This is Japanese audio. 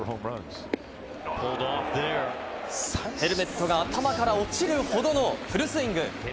ヘルメットが頭から落ちるほどのフルスイング。